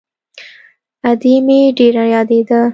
ادې مې ډېره يادېده.